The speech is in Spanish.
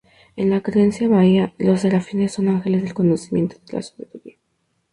En la creencia Bahá'í, los serafines, son ángeles del conocimiento y la sabiduría.